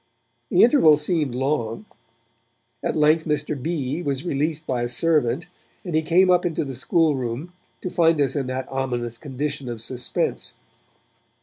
The interval seemed long; at length Mr. B. was released by a servant, and he came up into the school room to find us in that ominous condition of suspense.